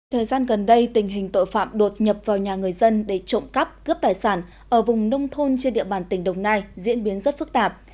thời gian gần đây tình hình tội phạm đột nhập vào nhà người dân để trộm cắp cướp tài sản ở vùng nông thôn trên địa bàn tỉnh đồng nai diễn biến rất phức tạp